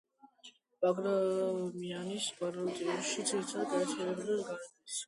ბაგრამიანის ბატალიონში ძირითადად გაერთიანდნენ გაგრის, გუდაუთის რაიონებსა და ტყვარჩელის ზონაში მცხოვრები სომეხი ახალგაზრდები.